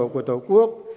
của tổ quốc